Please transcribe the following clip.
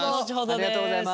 ありがとうございます。